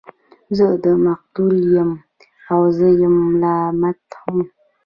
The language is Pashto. زه مقتول يمه او زه يم ملامت هم